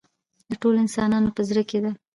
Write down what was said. د ټولو انسانانو په زړه کې ده.